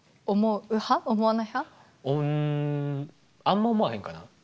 あんま思わへんかな。